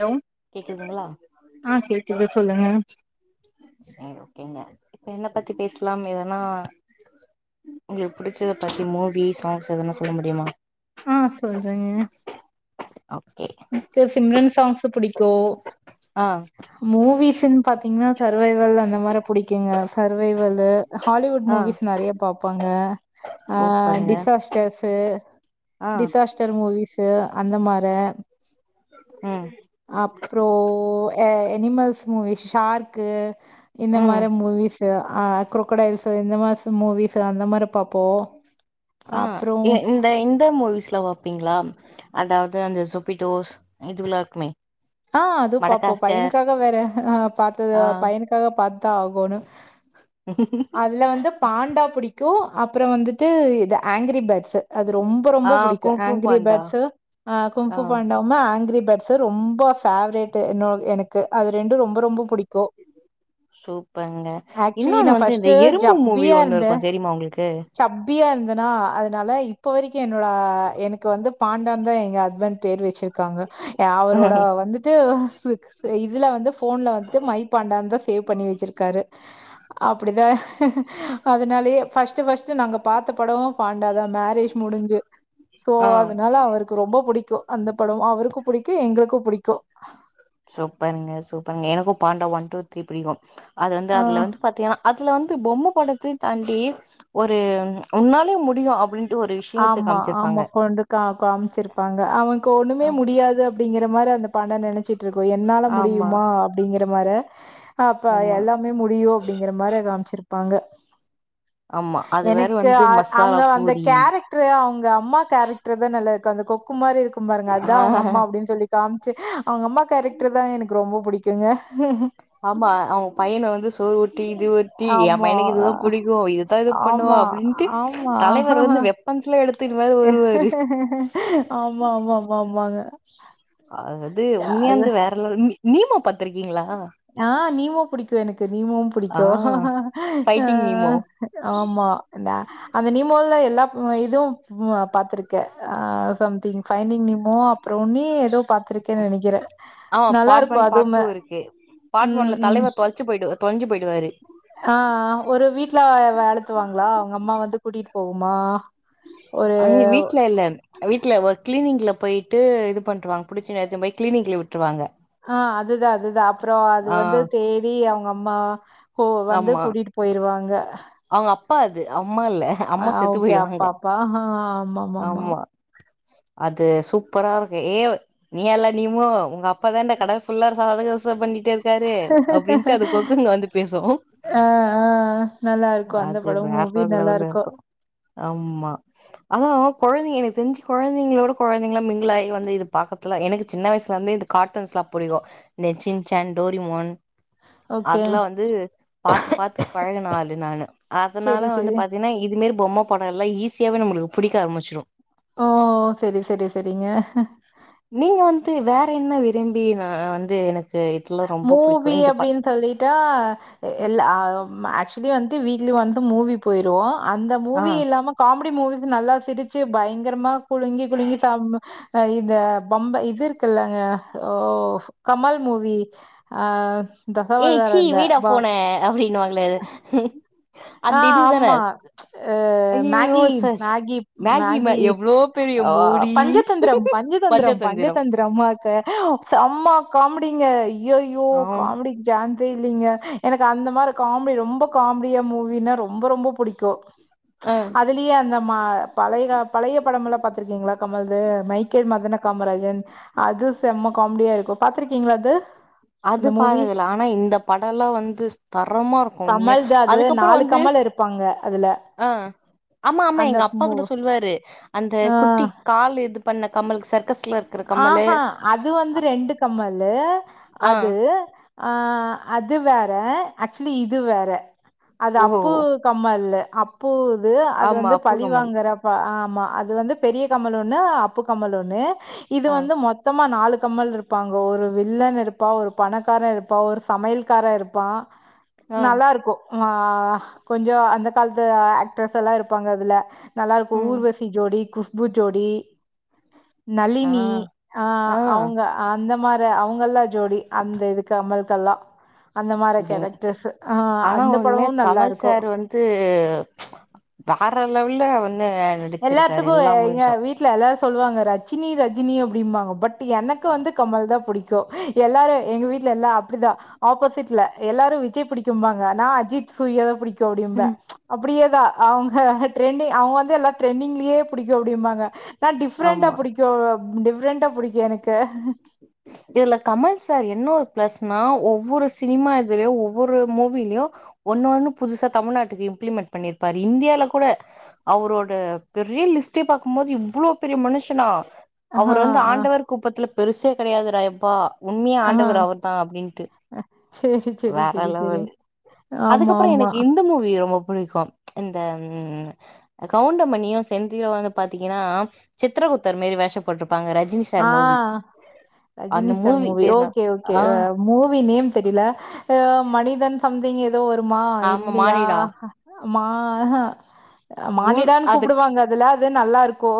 Hello கேக்குதுங்களா ஆ கேக்குது சொல்லுங்க சரி ஓகேங்க இப்ப என்ன பத்தி பேசலாம் எதனா உங்களுக்கு புடிச்சத பத்தி மூவி சாங்க்ஸ் எதனா சொல்ல முடியுமா ஆ சொல்றங்க ஓகே இப்போ சிம்ரன் சாங்க்ஸ் சு பிடிக்கும் ஆ மூவிஸ்ன்னு பாத்தீங்கன்னா சர்வைவல் அந்த மாரி புடிக்குங்க சர்வைவல்லு ஹாலிவுட் ஆ மூவிஸ் நறையா பாப்பாங்க ஆ சூப்பருங்க டிசாஸ்டர்ஸு ஆ டிசாஸ்டர் மூவிஸ் து அந்த மார ம் அப்புறோ எனிமெல்ஸ் மூவி ஷார்க்கு இந்த ம் மாரி மூவிஸ் ஆ குரோக்கோடைல்ஸ் இந்த மாச மூவிஸ் அந்த மாரி பாப்போம் ஆ இந்த இந்த மூவிஸ் கிலா பாப்பீங்களா அதாவுது அந்த சொபிட்டோஸ் இதுவல்லா இருக்குமே ஆ அது பாப்போம் மடகாஸ்கர் பையனுக்காக வேற ஆ பாத்தது ஆ பையனுக்காக பாத் தா ஆகோனு அதுல வந்து பாண்டா புடிக்கும் அப்றோ வந்துட்டு இது ஆங்கிரி பேட்ஸ் அது ரொம்ப ஆ ரொம்ப புடிக்கும் கும்ஃபு ஆங்கிரி பாண்டா பேட்ஸ் ஆ குங்ஃபூ பாண்ட ஆவும ஆங்கிரி பெருசு ரொம்பா பேஃவரிட் என்னோ எனக்கு அது ரெண்டும் ரொம்ப ரொம்ப புடிக்கு சூப்பர் ஆக்சுவலி இன்னோன்னு நா வந்து இந்த ஃபர்ஸ்ட்டு எறும்பு மூவி ஜப்பியா ஒன் இருக்கும் தெரியமா உங்களுக்கு நா அதுனால இப்ப வரைக்கு என்னோட எனக்கு வந்து பாண் டாந்த எங்க ஹஸ்பண்ட் பேர் வச்சிருக்காங்க அவரோட வந்து சிக்ஸ் இதுல வந்து போன்ல வந்துட்டு மை பாண்டான் தான் சேவ் பண்ணி வச்சிருக்காரு அப்டிதான் அதுனாலயே பஸ்டு பஸ் டு நாங்க பாத்த படம் பாண்டா தான் மேக் ரேஷ் முடிஞ்சு சோ ஆ அதுனால அவருக்கு ரொம்ப புடிக் கு அந்த படம் அவருக்கும் புடிக்கு எங்களுக்கும் புடிக்கு ஆஹ சூப்பருங்க சூப்பருங்க எனக்கு பாண்டா ஒன் டூ த்ரீ பிடிக்கும் அது வந்து அ அதுல வந்து பாத்தீங்கன்னா அதுல வந் து பொம்ம படத்தயு தாண்டி ஒரு உன்னாலயு முடியும் அப்டின் ஆமா ஆமா கொண்டுக்கா காம் சிருபாங்க அவுங் கோ ஒன்னுமே ஆம் முடியாது அப்டிங்கிற மாரி அ அந்த பாண்டா நினச் சிட்டு இருக்கும் என்னால ஆமா முடியுமா அப்டிங்கிற மார அப்பப்பா ஆமா எல்லாமே முடியும் அப்டிங்கற மாரி காமிச்சிரு பாங்க ஆமா அது பேரு வந்து மசாலா பூரி கேரக்ட்ரு அவங்க அம்மா கேரக்ட்ரு தா நல்லா இரு இங்கு அந்த கொக்கு மாரி இருக்கு கும் பாருங்க அதா ஆ அவங்க அம்மா அப்டின் சொல்லி காமிச்சி அவுங்க அம்மா கேரக்ட்ரு தான் எனக்கு ரொம்ப பிடிக்குங்க ஆமா அவன் பையன வந்து சோறு ஊட்டி இது ஊட்டி என் ஆமா. பையனுக்கு இதுதா பிடிக்கும் இதுதா இது பண்ணுவோ அப்டின்ட்டு தலைவ ஆஹ ஆமா ஆமா ஆமா ஆமாங்க அதாங்கத்தி அது உண்மையாந்து வேற லெவல் மி நீமோ பாத்திருக்கீங்களா ஆ நீமோ பிடிக்கும் எனக்கு நீமோவும் ஆ பிடிக்கும் ஆ ஃபைட்டிங் நீமோ ஆமா நா அந்த நீமோல எல்லா இதுவும் ம் பாத்துருக்கே ஆ சம்திங் பைடிங் நீமோ அப்புறம் உன்னே எதோ பாத்துருக்கேன்னு நெனைக்கிற ஆ நல்லா பார்ட் ஒன் இருக்கும் பார்ட் அதுமே டூ இருக்கு பார்ட் ஒன்ல தலைவர் தொலைச்சி போய்டு தொலஞ்சி போய் ஆ ஒரு வீட்ல வளத்துவாங்களா அவுங்க அம்மா வந்து கூட்டிட்டு போகுமா ஒரு அங்க வீட்ல இல்ல வீட்ல ஒ கிளீனிக்ல போயிட்டு இது பண்ருவாங்க புடிச்சி நேச்சன் போய் கிளினிக்ல விட்டுருவாங்க ஆ அதுதா அதுதா அப்புறம் அது ஆ வந்து தேவி அவங்க அம்மா போ வந்து கூட்டிட்டு போயிருவாங்க அவுங்க அப்பா அது அவு ஆ ஓகே அப்பா அப்பா ஆமா ஆமா ஆமா அது சூப்பரா இருக்கு ஏ நீ எல்லா நீமோ உங்க அப் பா தாண்டா கடல் ஃபுல்லா சாத கச பண்ணி கிட்ட இருக்காரு அப்டின்ட்டு அது பொக்கங்க வந்து பேசு ஆ ஆ நல்லா இருக்கு அந்த அது படம் வேற மூவி நல்லா லெவல இருக்கு ஆமா அதா கொழந்தைங்க எனக்கு தெரிஞ்சு கொழந்தைங்களோட கொழந்தைங்களா மிங்கிளாய் வந்து இது பாக்கத்துல எனக்கு சின்ன வயசுல வந்து இந்த காட்டன்ஸ் எல்லா புடிக்கு இந்த சின்சன் டோரிமோன் ஓகே. அதெல்லா வந்து பாத்து பாத்து பழகுனாள் நானு அதனால சரி, வந்து சரி. பாத்தீங்கன்னா இது இதுமாரி பொம்ம படோ எல்லா ஈஸியாவே நம்மளுக்கு புடிக்க ஆரம்பிச்சிடு ஓ சரி சரி சரிங்க நீங்க வந்து வேற என்ன விரும்பிஆ வந்து எனக்கு இதுல ரொம்ப மூவி புடிக்கு இந்த ப அப்டின்னு சொல்லிட்டா எல்ல ஆக்சுவலி வந்து வந்த வீக்லி வந்து மூவி போயிடுவோ அந்த ஆ மூவி இல்லாம காமெடி மூவிஸ் நல்லா சிரிச்சு பயங்கரமா குழுங்கி குழுங்கி சாப்டனு இந்த பம்ப இது இருக்குல்லங்க ஓ கமல் மூவி அ ஏய் சீ வீடா ஃபோன அப்டின்னு வாங்க து [unintelligible] ஆ ஆமா அ ஐயையோ மேகி சஸ் மேகி மே மேகி எவ்ளோ பெரிய ஆ மூடி பஞ்சதந்திரம் பஞ்சதந்திரம் பஞ்சதந்திரமாக்க செம்மா காமடிங்க அய்யயோ ஆ காமெடி சான்ஜே இல் இல்லீங்க எனக்கு அந்த மாதிரி காமெடி ரொம்ப காமெடியா மூவி மின்னா ரொம்ப ரொம்ப புடிக்கு ஆ அதுலயே அந்த மா பழய பழய படம் எல்லா பாத்திருக்கீங்ளா கமல்து மைக்கேல் மதன காமராஜன் அது செம்ம காமெடியா இருக்கு பாத்துருக்கீங்ளா அது அது அந்த மூவி பாத்தது இல ஆனா இந்த படோல்லா வந்து தரமா இருக்கு உண்மையா கமல்து அது அதுக்கப்புற நாலு வந்து கமல் இருப்பாங்க அதுல ஆ ஆமா ஆமா அந்த எங்க அப்பா மூ கூட சொல்லுவாரு அந்த ஆ குட்டி கால் இது பண்ண கமலு சர்க்கஸ்ல இரு ஆஹா அது வந்து ரெண்டு கம்மலு ஆ அது ஆ அது வேற ஆக்சுவலி இது வேற அது ஓ அப்பு கம்மல்லு அப்புது அது ஆமா வந்து அப்பு பழி கமல் வாங்கிற ஆ ஆமா அது வந்து பெரிய கமல் ஒன்னு அப்பு கம்மல் ஒன்னு இது ஆ வந்து மொத்தமா நாலு கமல் இருப்பாங்கோ ஒரு வில்லன் இருப்பான் ஒரு பணக்காரன் இருப்பான் ஒரு சமையல்காரே இருப்பான் ஆ நல்லா இருக்கும் ஆ கொஞ்ச அந்த காலத்து ஆக்ட்ரஸ் எல்லா இருப்பாங்க அதுல நல்லாருக்கும் ம் ஊர்வசி ஜோடி கு பூ ஜோடி நளினி ஆ னி ஆ அவுங்க அந்த மா அவுங்கல்லா ஜோடி அந்த இது கமல் கெல்லா ஆனா ஒன்னு படமு நல்லா கமல் இருக்கு சார் வந்து வேற லெவல்ல வந் எல்லாத்துக்கும் எங்க வீட்ல எல்லா சொல்லு வாங்க ரஜினி ரஜினி அப்டிபாங்க பட் எனக்கு வந்து கமல் தான் புடிக் கும் எல்லாரும் எங்க வீட்ல எல்லாரும் அப்டிதான் ஆப்போசிட்ல எல்லாரும் விஜய் புடிக்கும்பாங்க நா அஜித் சூர்யாதா புடிக் கும் அப்டிபேன் அப்டியே தா அவுங்க ட்ரெண்டிங் அவுங்க வந் ட்ல எல்லா ட்ரெண்டிங்லயே புடிக்கு அப்டி பாங்க நா டிஃப்ரெண்டா ஆமா புடிக்கும் டிஃப்ரெண்டா புடிக்கும் எனக்கு இதுல கமல் சார் என்ன ஒரு பிளஸ்னா ஒவ்வொரு சினிமா இதுலயும் ஒவ்வொரு மூவிலயும் ஒன்னு ஒண்ணு புதுசா தமிழ்நாட்டுக்கு இம்ப்ளிமெண்ட் பண்ணிருப்பாரு இந்தியால கூட அவரோட பெரிய லிஸ்டே பாக்கும் போது இவ்ளோ பெரிய மனுஷனா ஆ அவுர வந்து ஆண்டவர் கூப்பத்துல பெருசு கெடையாது டா யப்பா உண்மையா ஆ ஆ ஆண்டவர் அவர்தான் அப்பிடின்ட்டு சேரி சேரி வேற சேரி சேரி லெவல் ஆமா அதுக்கப்ற ஆமா. எனக்கு இந்த மூவி ரொம்ப புடிக்கும் இந்த கவுண்டமணியும் செந்திலு வந்து பாத்தீங்கன்னா சித்திரகுப்தர் மாரி வேஷம் போட்டுப் பாங்க ரஜினி ஆ சார் மூவி ரஜினி அந்த சார் மூவி பேர்னா ஓகே ஓகே ஆ மூவி நேம் தெரியல ஆ மனிதன் சம்திங் இரு ஏதோ வருமா ஆமா இல்லையா மானிடா மா ஆஹ கூல் மானிடான்னு அது கூப்டுவாங்க அதுல அது நல்லா இருக்கு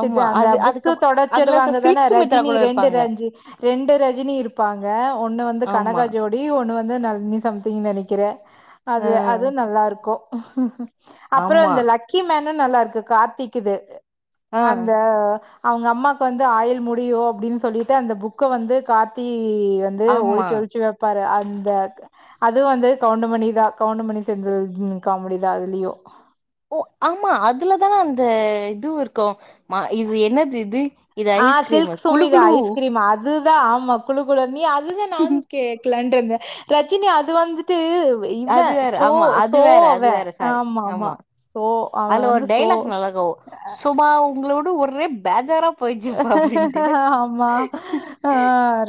ச அந்த அது புக்கு அதுக்கப் தொடச்ச அதுல சருவாங்க தான சில்க் சுமித்ரா ரஜினி கூட ரெண்டு இருப்பாங்க ரி ரெண்டு ரஜினி இருப்பாங்க ஒன்னு வந்து ஆமா கனகா ஜோடி ஒன்னு வந்து வந்து ந சம்திங்னு நெனக்குறே ஆ அது அது நல்லா இருக்கு ஆஹஹ அப்பறோ ஆமா இந்த லக்கிமேன் நல்லா இருக்கு கார்த்திக்குது ஆ அந்த அவுங்க அம்மா வந்து ஆயில் முடியு அப்டின்னு சொல்லிட்டு அந்த புக்க வந்து கார்த்தி வந்து ஆமா ஒளுச்சு ஒளுச்சு வப்பாரு இந்த அது வந்து கவுண்டமணி தா கவுண்டமணி செந்தில் காமெடி தா அதுலயு ஓ ஆமா அதுலதான அந்த இதுவு இருக்கு இது என்னது இது இது ஆ ஐஸ்கிரீமு குளு சில்க்சுமிதா குளு ஐஸ்கிரீம் அது அதுதா ஆமா குழு குழு நீ அதுதா நானு கேக்கலான் இருந்தே ரஜினி அது வந்துட்டு ட்டு இவ அது வேற சோ ஆமா அது சோ வேற அது அவ வேற சாரி ஆமா ஆமா சோ அவன் அதுல ஒரு வந்து சோ டைலாக் நல்லா இருக்கு சுமா உங்கள டு ஒரே பேஜாரா போயிச்சுப்பா அப்டின்ட்டு ஆமா. ஆ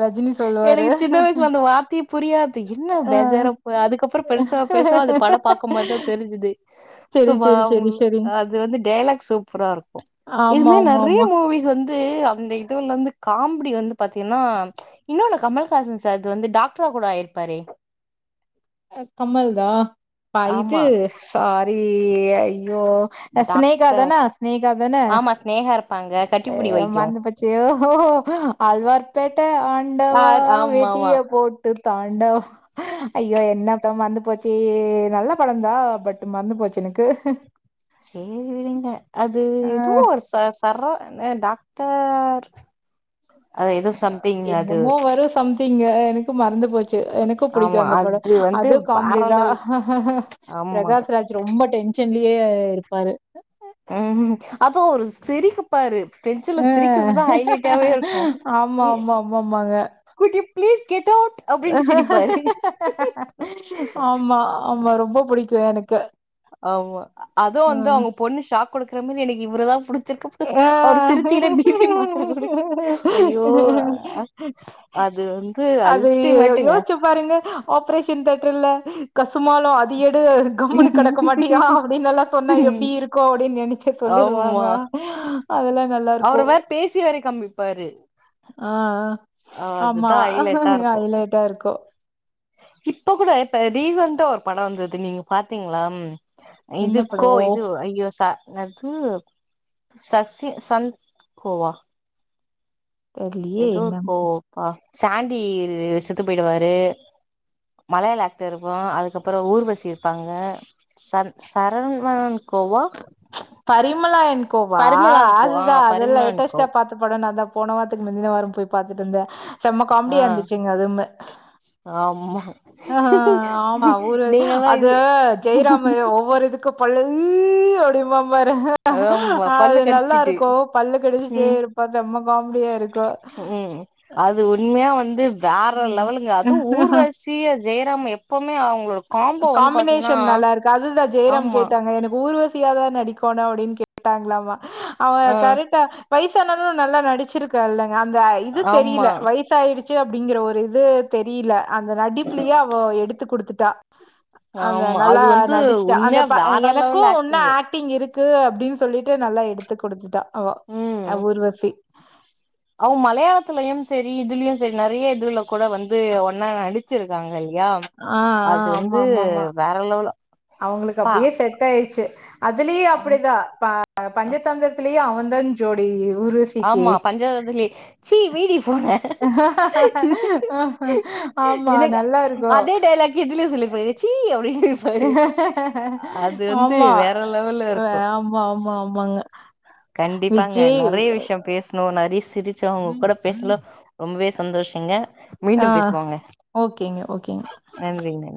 ரஜினி சொல்லுவாரு. எனக்கு சின்ன வயசுல அந்த வார்த்தயே புரியாது என்ன ஆ பேஜாரா அதுக்கப்புற பெருசாக பெருசாக அது படம் பாக்க போதுதா தெரிஞ்சுது சரி சுபா சரி சரி சரி அது வந்து டைலாக் சூப்பரா இருக்கு இது ஆமா மாரி ஆமா நெறய ஆமா மூவிஸ் வந்து வந்து அந்த இதுல இருந்து காமெடி வந்து பாத்தீங்கன்னா இன்னொன்னு கமல்ஹாசன் சார் இது வந்து டாக்டரா கூட ஆயிருப்பாரே ஆ கமல் தா ப்பா இது ஆமா. சா அய [unintelligible] யோ சினேகா டாக்டர் தான சினேகா தான ஆமா ஸ்நேகா இருப்பாங்க. ஏ கட்டிப்புடி வைத்தியம். மறந்துபோச்சு யோ ஆழ்வார்பேட்ட ஆ ஆண்டவா ஆமாமா. வேட்டிய போட்டு தாண்ட ஐயோ என்னாத்த மறந்து போச்சே நல்ல படந்தா பட் மறந்து போச்சு எனக்கு சேரி விடுங்க அது ஆ எதோ ஒரு சா சர எ டாக்டர் அது ஏதோ சம்திங் அது என்னமோ வரு சம்திங்கு எனக்கு மறந்து போ ச்சு எனக்கு பிடிக்கு ஆமா அந்த படொ அது வந்து அது வேற காமெடி தா லெவல் ஆமா பிரகாஷ் ராஜ் ரொம்ப டென் ஷன்லயே இருப்பாரு ம் ம் அது அவுரு சிரிக்குபாரு டென்ஷன்ல அ சிரிக்கிறது தா ஹைலைட்டாவே இருக்கு ஆமா நி ஆமா ஆமாமாங்க குட் யு பிளீஸ் ஆமா ஆமா ரொ ம்ப புடிக்கு எனக்கு ஆமா அதுவு வந்து ம் அவுங்க பொண்ணு ஷா க் குடுக்கற மாரி எனக்கு இவரதா புடு ஆ மாத்திர குடு ஐயோ அது வந்து அது அல்டிமேட்டுங்க யோச்சு பாருங்க ஆப்ரேஷன் தேட்டர்ல கசுமாலொ அது‌ எ டு கம்மனு கடக்க மாட்டியா அப்டீன்னலா சொன்னா எப்டி இருக்கு அப்டின் நெனச்சே சொல்லிருவாங்க ஆமா அதெல்லா நல்லாருக்கு அவரு வேற பேசி வேற காமிப்பாரு ஆ ஆமா அதுதா ஹைலைட்டா இருக்கு ஹைலைட்டா இருக்கு இப்ப கூட இப்ப ரீசன்ட்டா ஒரு பட வந்தது நீங்க பாத்தீங்ளா என்ன இது படோ கோ இது ஐயோ ச னது‌ சசி சந் கோவா தெர்லியே ஏதோ ஒரு என்ன கோவப்பா சாண்டி செத்து போயிடுவாரு மலையாள ஆக்டர் இருப்ப அதுக்கப்புறோ ஊர்வசி இருப்பாங்க சன் சரங்கோ கோவா பரிமளா அன் கோவா ஆ அதுதா அத லேட்டஸ்ட் பரிமளான்கோ பாத்த படொன்னா அதா போன வார்த்துக்கு மிந்தின வாரம் போய் பாத்துட்டு வந்தே செம்ம ஆ காம்டியா இருந்துச்சுங்க அதும்மே ஆமா அஹ ஆமா ஊரு நீங்கல்லா அது இது ஜெய்ராமு ஒவ்வொரு இதுக்கு கொலை அப்டிம்பாம் வரக ஆமா பல்லு அது நல்லா கடிச்சிட்டு இருக்கும் பல்லு கடிச்சிட்டே ம் இருப்பா செம்ம காமெடியா இருக்கும் து வேற ம். லெவலுங்க அதுவும் ஊர்வசிய ஜெயராம எப்போ காம்பினேஷன் நல்லா இருக்கு அதுதா ஜெயராம் ஆமா கேட்டாங்க எனக்கு ஊர்வ சியாதா நடிக்கணும் அப்டின் கேட்டாங்களாமா அவங்க ஆ கரெட்டா வயசானாலும் நல்லா நடிச்சிருக்கா இல்ல அந்த இது ஆமா தெரியில வயசாயிடுச் சி அப்டிங்கற ஒரு இது தெரியில அந்த நடிப்பிலேயே அவ எடுத் த்து குடுத்துட் டா அந்த ஆமா நல்லா அது வந்து நடிச்சிட்டா அந்த உண்மையா ப வேற லெவல் எனக்கும் ஒன்னு ஆக்டிங்கு ஆக்டிங் இருக் கு அப்டின் சொல்லிட்டு நல்லா எடுத்துக் குடுத்துட்டா அவ ம் அ ஊர்வசி அவ மலையாளத்துலயும் பெரிய இதுலயும் சரி நறையா இதுல கூட வந்து ஒன்னா நடிச்சிருக்காங்க இல்லையா ஆ ஆ அது ஆமா வந்து ஆமா ஆமா வேற லெவல் அவங்களுக்கு பா அப்டியே செட் ஆயிருச்சி அதுலயு ஆம் அப்டேதா பா ஆ பஞ்சதந்திரத்திலேயே அவன்தான் ஜோடி ஊர்வசிக்கு ஆமா பஞ்சதந்திலே சீ மீதி பூன ஆமா என்னங்க நல்லா இருக்கு அதே டைலாக்கே இதுலயு சொல்லி போயி சீ அப்டின்னு இருப்பாரு அது வந்து ஆமா வேற லெவல்ல இருக்கு ஆமா ஆமா ஆ மாங்க கண்டிப்பாங்க நறையா விஷியம் பேசணோம் நறையா சிரிச்சோ ஒங்க கூட பேசல ரொம்பவே சந்தோஷங்க ஆ மீண்டும் பேசுவோங்க ஓகேங்க ஓகேங்க நன்றிங்க நன்றி